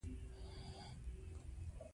کله چې بزګر او بڼوال به بلابترې وړې.